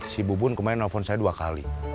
si bubun kemarin nelfon saya dua kali